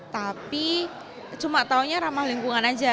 tapi cuma tahunya ramah lingkungan saja